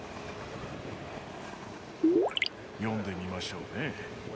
読んでみましょうね。